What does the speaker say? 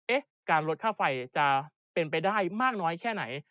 การลดค่าไฟจะเป็นไปได้มากน้อยแค่ไหน